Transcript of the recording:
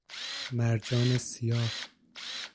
مرجان سیاه